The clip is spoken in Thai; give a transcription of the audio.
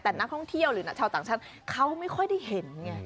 แต่นักท่องเที่ยวหรือชาวต่างชาติเขาไม่ค่อยได้เห็นไง